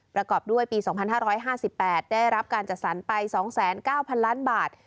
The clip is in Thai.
ประกอบด้วยปี๒๕๕๘ได้รับการจัดสรรไป๒๙๐๐ล้านบาท